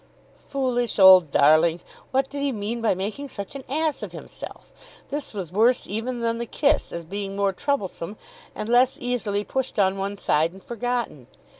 Foolish old darling! What did he mean by making such an ass of himself? This was worse even than the kiss, as being more troublesome and less easily pushed on one side and forgotten.